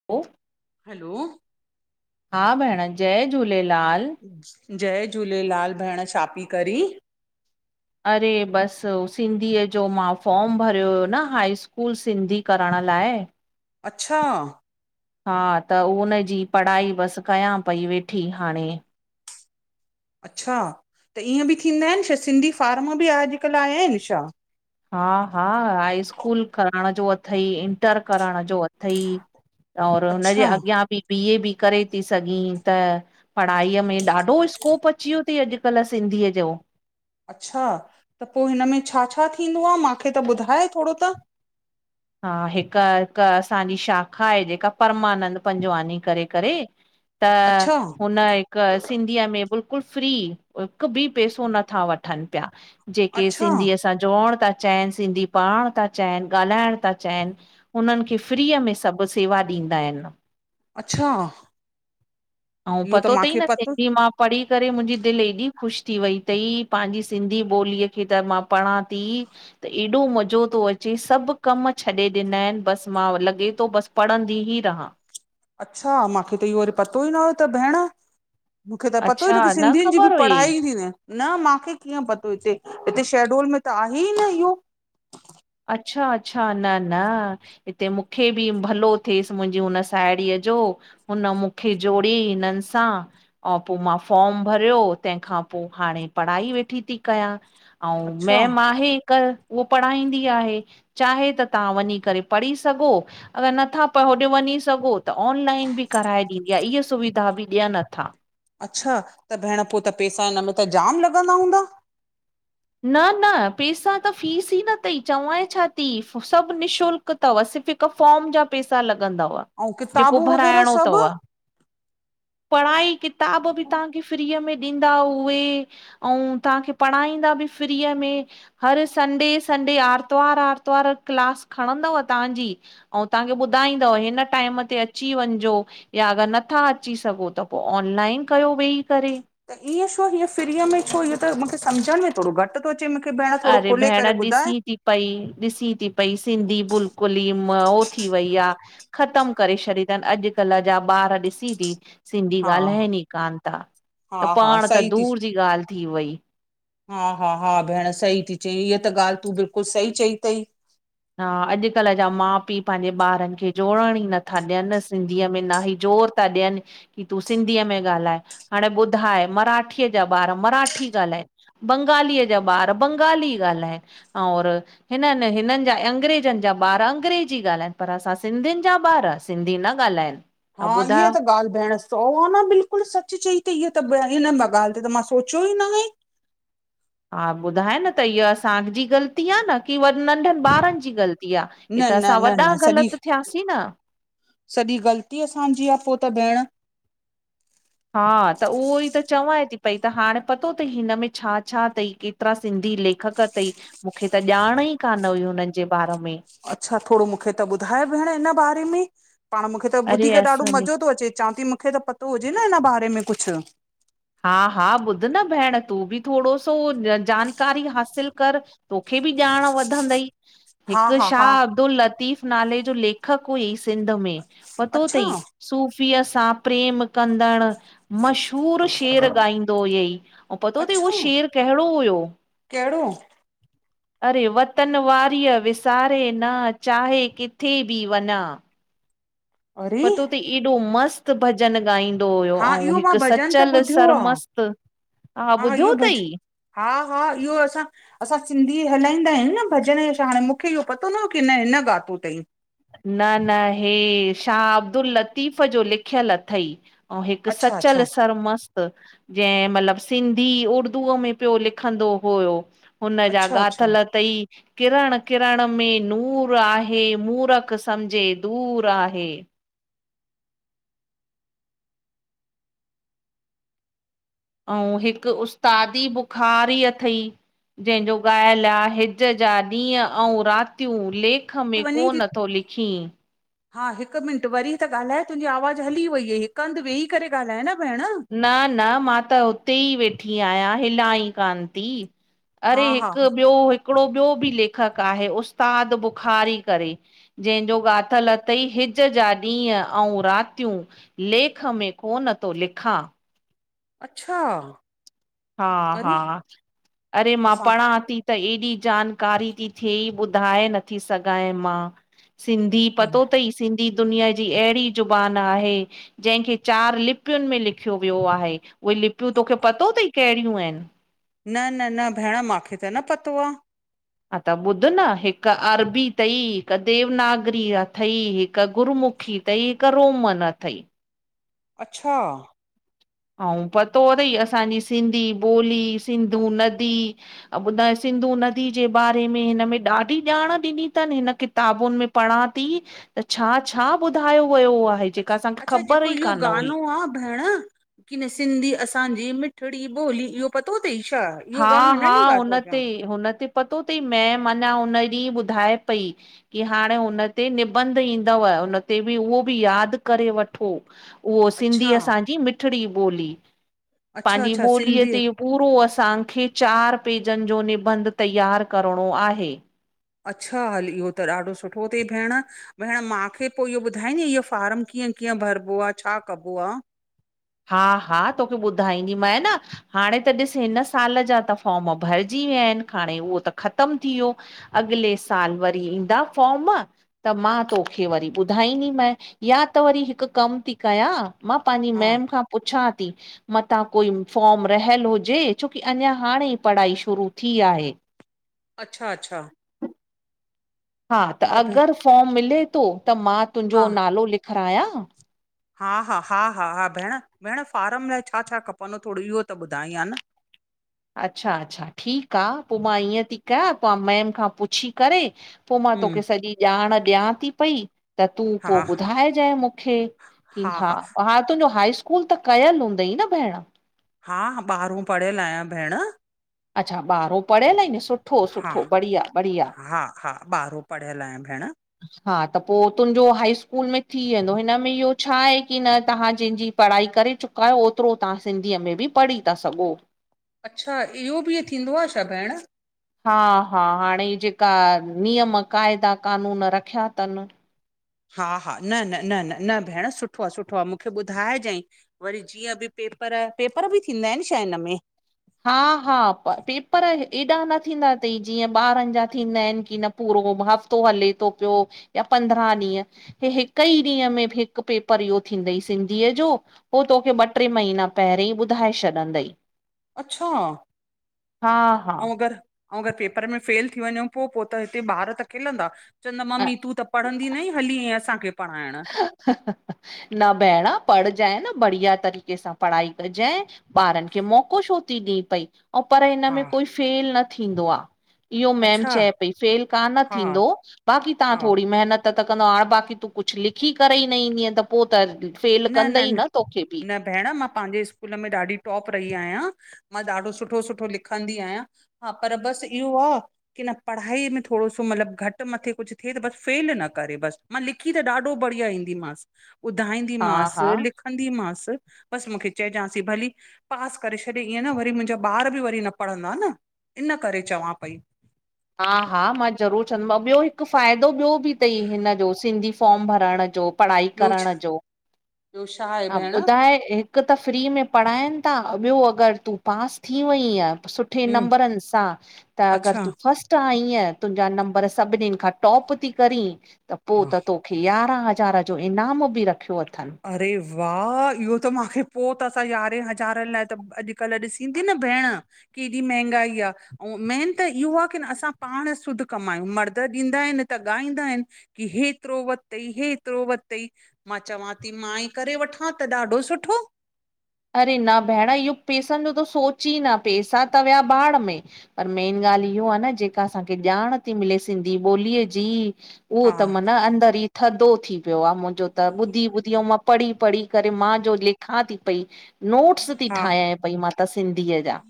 [unintelligible] हलो, हा भेण, जय झूलेलाल। जय झूलेलाल भेण छा पी करी? अरे बस हो सिंधीअ जो मां फॉम भरियो हुयो न हाई स्कूल सिंधी करण लाए [inaudible] अच्छा, हा त उनजी पढ़ाई बस कयां पई वेठी हाणे। अच्छा, त ईअं बि थींदा आहिन छा सिंधी फार्म बि अॼुकल्ह आया आहिन छा? हा हा, हाई स्कूल करण जो अथई, इंटर करण जो अथई। और हुनजे अच्छा अॻियां बि बी ए बि करे थी सघीं त पढ़ाईअ में ॾाढो स्कोप अची वियो तई अॼकल्ह सिंधीअ जो अच्छा, त पो हिन में छा छा थींदो आ माखे त ॿुधाए थोरो त हा हिक हिक असांजी शाखा आहे जेका परमानंद पंजवानी करे करे त अच्छा हुन क सिंधीअ में बिल्कुल फ्री, हिक बि पैसो नथा वठन पिया। जेके अच्छा सिंधीअ सां जोड़ण था चाहिन सिंधी पढ़ण था चाहिन ॻाल्हाइण था चाहिन, उन्हनि खे फ्रीअ में सभु सेवा ॾींदा आहिन। अच्छा आऊं इहो त पतो तई मांखे न पतो सिंधी मां पढ़ी करे मुंजी दिल हेॾी ख़ुशि थी वई तई पांजी सिंधी ॿोलीअ खे त मां पढ़ा थी त एॾो मज़ो थो अचे सभ कम छॾे ॾिना आहिन बसि मां लॻे थो बस पढ़ंदी ई रहां। अच्छा, माखे त इहो वरी पतो ई न हुयो त भेण। मूंखे त पतो ई अच्छा न की सिंधियुन जी बि ख़बर हुई पढ़ाई एन ईय न मूंखे कीअं पतो ईते हिते शहडोल में त आहे ई न इहो अच्छा अच्छा न न हिते मूंखे बि भलो थिएस मुंहिंजी हुन साहेड़ीअ जो हुन मुखे जोड़यी हिनन सां पो मां फॉर्म भरयो तंहिंखां पोइ हाणे पढ़ाई वेठी थी कयां ऐं अच्छा मैम आहे हिकु उहो पढ़ाईंदी। आहे चाहे त तव्हां वञी करे पढ़ी सघो अगर नथा पर होॾे वञी सघो त ऑनलाइन बि कराए ॾींदी आहे इहे सुविधा बि ॾियन अथा अच्छा त भेण पोइ त पैसा हिन में त जाम लॻंदा हूंदा? न न पैसा त फीस ई न अथई चवां छा थी सभ निशुल्क अथव सिर्फ़ हिक फॉर्म जा पेसा लग्न्दव ऐं जेको किताबूं वग़ैरह भराइणो सभु अथव। पढ़ाई किताब बि तहांखे फ्रीअ में। ॾींदा उहे ऐं तहांखे पढ़ाईंदा बि फ्रीअ में। हर संडे संडे आर्तवार आर्तवार क्लास खणंदव तहांजी। ऐं तव्हांखे ॿुधाईंदव हिन टाइम ते अची वञिजो या अगर नथा अची सघो त पो ऑनलाइन कयो वेही करे। त ईअं छो हीअं फ्रीअ में छो इहो त मूंखे सम्झण में थोॾो घट न थो अचे मूंखे भेण थोॾो अरे खोले भेण करे ॿुधाए? ॾिसी थी पई ॾिसी थी पई सिंधी बिलकुल ई मओ थी वई आ। खत्म करे छॾी अथन अॼकल्ह जा ॿार ॾिसी थी। सिंधी हा ॻाल्हाइनि ई कोन था हा त हा पाण त सही थी दूर जी ॻाल्ह थी वई। हा, हा, हा भेण सही थी चई, हीअ त ॻाल्हि तूं बिल्कुलु सही चई थई। हा, अॼुकल्ह जा माउ- पीउ पंहिंजे ॿारनि खे जोड़ण ई नथा ॾियनि सिंधीअ में न ई जोर ताॾियी की तूं सिंधीअ में ॻाल्हाए, हाणे ॿुधाए मराठीअ जा ॿार मराठी ॻाल्हाएनि। बंगालीअ जा ॿार बंगाली ॻाल्हाइनि और हिननि हिननि अंग्रेजनि जा ॿार अंग्रेजी ॻाल्हाइनि पर असां सिंधियुनि जा ॿार सिंधी न ॻाल्हाइनि। हा, इहा त ॻाल्हि भेण सो न बिल्कुलु सच चई थई, इअ त हिन ॻाल्हि ते त मां सोचियो ई न आहे। हा ॿुधाए न, त इहा असांजी ग़लत न कि नंढनि ॿारनि जी ग़लती आ हि न त न असां न वॾा न सॼी ग़लति थियासीं न। सॼी ग़लती असांजी आ, पो त भेण। हा त उहो ई त चवां थी पई त हाणे पतो थई हिन में छा छा थई। ओतिरा सिंधी लेखक थई, मूंखे त ॼाण ई कान हुई हुननि जे बारे में। अच्छा थोड़ो मूंखे त ॿुधाए भेण हिन बारे में, पाण मूंखे त अरे ॿुधी करे ॾाढो असांजे मज़ो थो अचे,, चवां थी, मूंखे त पतो हुजे न हिन बारे में कुझु? हा- हा, ॿुध न भेण, तूं बि थोड़ो सो जानकारी हासिल कर। तोखे बि ॼाण वधंदई, हा हिकु हा हा शाह अब्दुल लतीफ़ नाले जो लेख लेखक हुई सिंध में, पतो अच्छा अथई सूफ़ीअ सां प्रेम कंदड़ मशहूरु शेर ॻाईंदो हुयई, ऐं पतो अथई उहो अच्छा शेर कहिड़ो हुयो! कहिड़ो [inaudible] अरे वतन वारीअ विसारे न, चाहे किथे बि वञा। अरे पतो तइ, एॾो मस्तु भॼन ॻाईंदो हुयो हा ऐं इहो मां हिकु भॼन त सचल ॿुधियो सर आहे मस्त हा, ॿुधियो इहो भॼ तई। हा- हा, इयो असां असां सिंधी हलाईंदा आहियूं न भॼन छा, हाणे मूंखे इहो पतो न हुयो कि न हिन ॻातो तईं। न- न, हे शाह अब्दुल लतीफ़ जो लिखयल अथई। अऊं हिक अच्छा सचल अच्छा सरमस जंहिं मतलब सिंधी-उर्दूअ में पियो लिखंदो हुयो। हुन जा अच्छा अच्छा ॻाथल तई, किरण किरण में नूर आहे मूर सम्झे दूर आहे। अऊं हिक उस्तादी बुखारी अथई। जंहिंजो ॻायल आ, हिज जा ॾींहं अऊं रातियूं लेख लिख में वञे थी कोन थो लिखी। हा हिक मिंट वरी त ॻाल्हाए, तुंजी आवाज़ु हली वई हुयई, हिक हंध वेही करे ॻाल्हाए न भेण। न-न मां त हुते ई वेठी आहियां, हिलां ई कान ती। हा अरे! हा हिक ॿियो, हिकड़ो ॿियो बी लेखक आहे उस्ताद बुखारी करे। जंहिंजो ॻाथल अथई, हिज जा ॾींहं अऊं रातियूं। लेख में कोन थो लिखां। अच्छा, हा-हा, अरे अरे मां असां पढ़ांती त एॾी जानकारी थियईं, ॿुधाए नथी सघांए मां। सिंधी, पतो तई सिंधी दुनिया जी अहिड़ी ज़ुबान आहे जंहिंखे चार लिपियुन में लिखियो वियो आहे, उहे लिपियूं तोखे पतो तई केड़ियूं आहिन? न- न- न भेण मांखे त न पतो आ। हा, त ॿुध न हिक अरबी तई, हिक देवनागरी आ। थई। हिक गुरमुखी तई, हिक रोमन अथई। अछा! अऊं पतो तई, असांजी सिंधी ॿोली, सिंधू नदी अऊं ॿुधाए, सिंधु नदी जे बारे में हिन में ॾाढी ॼांण ॾिनी तन हिन किताबुन में पढ़ां ती। त छा छा ॿुधायो वयो आ? अच्छा! अच्छा! जेको इयो गानो आ भेण, कि न, सिंधी असांजी मिठड़ी ॿोली इयो पतो तई छा? इहो गानो हा! हिन ॾींहुं हा! ॻातो उन आ छा ते, हुन ते पतो तई? मैम अञां हुन ॾींहु ॿुधाए पई। कि हाणे हुन ते निबंध ईंदव। हुन ते बी, उहो बि याद करे वठो। उहो, अच्छा सिंधी असांजी मिठड़ी ॿोली। अच्छा पांजी अच्छा ॿोलीअ सिंधी ते पूरो असांखे चार पेजन जो निबंध तैयार करणो आहे। अच्छा! हल इयो त ॾाढो सुठो तई भेण, भेण, मांखे पो इयो ॿुधाईंदीअ, इयो फार्म कीअं-कीअं भरबो आ? छा कबो आ? हा! हा! तोखे ॿुधाईंदीमांए न। हाणे त ॾिस, हिन साल जा त फॉम भरजी विया आहिन। हाणे उहो त ख़तम थी वियो। अगले साल वरी ईंदा फॉर्म त मां तोखे वरी ॿुधाईंदीमांइ। या त वरी हिक कम ती कयां। मां, पैंजी हा मैम खां पुछांती? मतां कोई फॉर्म रहियल हुजे। छोकी अञा हाणे ई पढ़ाई शुरू थी आहे। अच्छा! अच्छा! हा! त अगर फॉम मिले तो। त मां हा तुंजो नालो लिखारायां? हा! हा! हा! हा! हा! भेण, भेण फारम लाइ छा छा खपंदो? थोड़ो इयो त ॿुधाई हा न? अच्छा अच्छा ठीकु आहे। पोइ मां ईअं थी कयां, पोइ मैम खां पुछी करे! पोइ मां तोखे हम्म सॼी ॼाण ॾियां थी पई त तूं हा पोइ ॿुधाइजांइ मूंखे, की हा हा तुंहिंजो हाई्कूल! स्कूल, त कयल हूंद ई न। भेण! हा! ॿारहं पढ़ियल आहियां। भेण! अच्छा! ॿारो पढ़ियल आहिनि। सुठो, हा सुठो बढ़िया, बढ़िया। हा हा ॿारहों पढ़ियल आहियां भेण हा! त पोइ तुंहिंजो हाई स्कूल में थी वेंदो। हिनमें इहो छा आहे की न तव्हां जंहिंजी पढ़ाई करे चुका आहियो। ओतिरो तव्हां सिंधीअ में बि पढ़ी था सघो। अच्छा! इहो बि, थींदो आहे छा? भेण! हा! हा! हाणे जेका नियम क़ायदा कानून रखिया अथनि। हा! हा! न, न, न, न, न भेण! सुठो आहे। सुठो आहे। मूंखे ॿुधाइजांइ। वरी जीअं बि पेपर। पेपर बि थींदा आहिनि छा हिन में? हा! हा! पेपर हेएॾा न थींदा अथई। जीअं ॿारनि जा थींदा आहिनि, की न पूरो हफ़्तो हले तो पियो, या पंदरह डींहं। हे, हिक ई ॾींहं में हिकु पेपर इहो थींदई, सिंधीअ जो। पो, तोखे ॿ टे महीना पहिररीं ई ॿुधाए छॾंदई। अच्छा! हा ऐं हा अगरि, ऐं, अगरि पेपर में फेल थी वञो पोइ। पोइ त हिते ॿार त खेिलंदा। चवंद ममी तूं त पढ़ंदी नई, हली आएं असांखे पढ़ाइण। न भेण पढ़जांइ, न बढ़िया तरीक़े सां पढ़ाई कजां। ॿारनि खे मौक़ो छो थी ॾेए पई। ऐं पर हिन हा में कोई फेल न थींदो आ। इहो मैम अच्छा चए पई। फेल कान हा थींदो। बाक़ी तव्हां हा थोरी महिनत त, त कंदो हाणे, बाक़ी तूं कुझु लिखी करे ई न ईंदीअ त पोइ त? फेल न, कंदई न, तोखे बि न भेण मां पंहिंजे स्कूल में ॾाढी टॉप रही आहियां। मां ॾाढो सुठो, सुठो लिखंदी आहियां। हा! पर बसि इहो आ की, न पढ़ाईअ में थोरो सो, मतलब घटि मथे कुझु थिए त। बस फेल न करे बस। मां लिखी त ॾाढो बढ़िया ईंदीमसि। हा हा ॿुधाईंदीमसि। लिख, कंदी मांस, बसि मूंखे चइजांसि भली पास करे छॾे। ईअं न वरी मुंहिंजा ॿार बि वरी न पढ़ंदा न। इन करे चवां पई? हा! हा! मां ज़रूरु चवंदोमांव ॿियो। हिकु फ़ाइदो ॿियो, बि अथई हिन जो सिंधी फॉम भरण जो पढ़ाई करण जो दोश हा! ॿुधाए हिकु त, फ्री में पढ़ाइनि था। ॿियो अगरि तूं पास थी वईय, सुठी सुठे हूं नंबरनि सां, त अच्छा अगरि तूं फस्ट ईअं, तुंहिंजा नंबर सभिनीनि खां टॉप थी करीं त हा पोइ त तो खे यारहं हज़ार जो इनाम बि रखियो अथनि। अरे, वाह! इहो त मूंखे पोइ त, असां यारहें हज़ारनि लाइ त, अॼुकल्ह ॾिसी ईंदी न, भेण केडी महंगाई आ? ऐं मेन त इहो आहे। की न, असां पाण श सुद्ध कमायूं। मर्द ॾींदा आहिनि त ॻाईंदा आहिनि। की, हेतिरो वरितइ। हेतिरो वरितई। मां चवां ते मां ई करे वठां त ॾाढो सुठो। अर, न भेण! इहो पैसनि जो त सोच ई न। पैसा त विया भाड़ में पर, मेन ॻाल्हि इहो आहे न। जेका असांखे ॼाण थी मिले सिंधी ॿोलीअ जी उहो हा त मना अंदरि ई थधो थी, वियो आहे। मुंहिंजो त ॿुधी, ॿुधी मां पढ़ी, पढ़ी करे मां जो लिखां थी पई। नोट्स थी हा ठाहियां पई, मां ता सिंधीअ जा।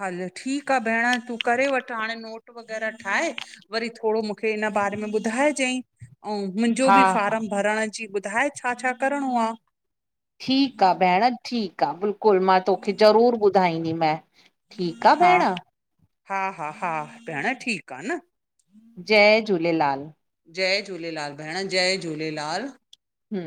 हलो, ठीकु आहे। भेण! तूं करे वठ। हाणे नोट वग़ैरह ठाहे वरी थोरो मूंखे हिन बारे में ॿुधाइजांइ ऐं मुंहिंजो हा बि हा फारम भरण जी। ॿुधाए छा, छा करिणो आहे? ठीकु आहे। भेण! ठीकु आहे। बिल्कुलु, मां तोखे ज़रूरु ॿुधाईंदीमै। ठीकु आ हा भेण। हा! हा हा! भेण ठीकु आ न। जय झूलेलाल। जय झूलेलाल! भेण, जय झूलेलाल! हू।